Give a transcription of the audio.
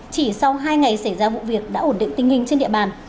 chỉ sau hai ngày xảy ra vụ việc đã ổn định tình hình trên địa bàn